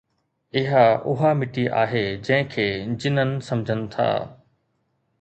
اها اُها مٽي آهي جنهن کي جنن سمجهن ٿا